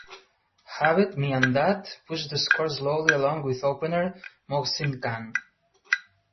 Javed Miandad pushed the score slowly along with opener Mohsin Khan.